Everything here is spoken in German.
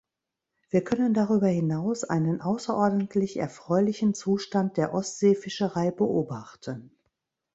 Wir können darüber hinaus einen außerordentlich erfreulichen Zustand der Ostseefischerei beobachten.